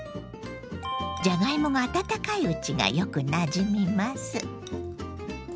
じゃがいもが温かいうちがよくなじみます。